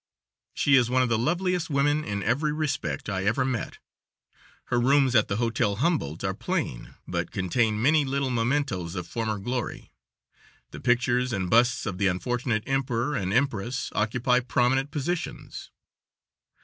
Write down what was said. She is one of the loveliest women, in every respect, I ever met. Her rooms at the Hotel Humboldt are plain, but contain many little mementos of former glory. The pictures and busts of the unfortunate emperor and empress occupy prominent positions.